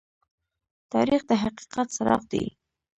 تاریخ د حقیقت څراغ دى.